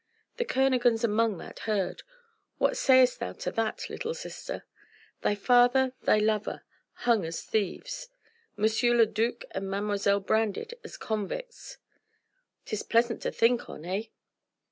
The Kernogans among that herd! What sayest thou to that, little sister? Thy father, thy lover, hung as thieves! M. le Duc and Mademoiselle branded as convicts! 'Tis pleasant to think on, eh?"